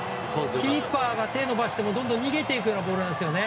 キーパーが手を伸ばしても逃げていくようなボールですね。